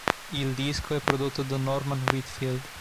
Il disco è prodotto da Norman Whitfield.